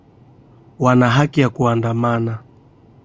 wanaa haki ya ku kuandamana